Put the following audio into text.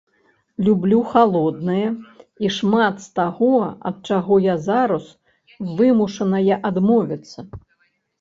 Люблю халоднае і шмат з таго, ад чаго я зараз вымушаная адмовіцца.